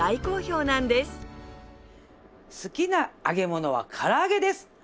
好きな揚げものはから揚げです！